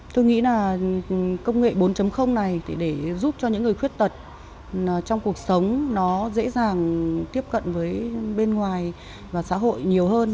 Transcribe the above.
tôi nghĩ là công nghệ bốn này để giúp cho những người khuyết tật trong cuộc sống nó dễ dàng tiếp cận với bên ngoài và xã hội nhiều hơn